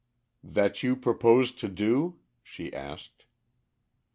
"That you propose to do?" she asked.